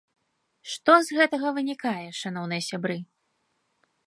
Што з гэтага вынікае, шаноўныя сябры?